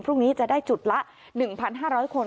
พรุ่งนี้จะได้จุดละ๑๕๐๐คน